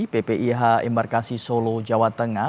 ppih embarkasi solo jawa tengah